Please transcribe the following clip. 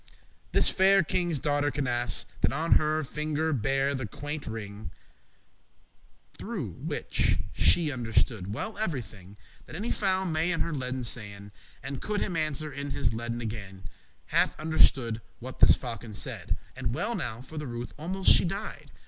This faire kinge's daughter Canace, That on her finger bare the quainte ring, Through which she understood well every thing That any fowl may in his leden* sayn, language <29> And could him answer in his leden again; Hath understoode what this falcon said, And well nigh for the ruth* almost she died